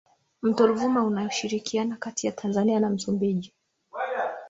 Mto Ruvuma una shirikiana kati ya Tanzania na Msumbiji